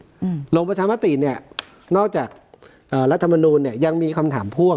อืมลงประชามติเนี้ยนอกจากเอ่อรัฐมนูลเนี้ยยังมีคำถามพ่วง